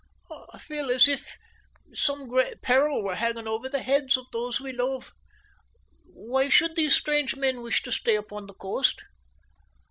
"I feel as if some great peril were hanging over the heads of those we love. Why should these strange men wish to stay upon the coast?"